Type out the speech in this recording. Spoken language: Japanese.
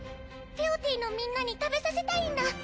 テオティのみんなに食べさせたいんだ。